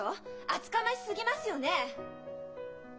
厚かましすぎますよね！？